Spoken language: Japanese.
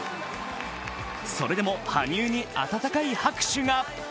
それでも羽生に温かい拍手が。